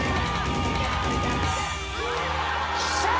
しゃーっ！